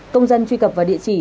công dân truy cập vào địa chỉ